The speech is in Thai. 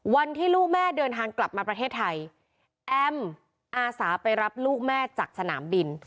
วันที่ลูกแม่เดินทางกลับมาประเทศไทยแอมอาสาไปรับลูกแม่จากสนามบิน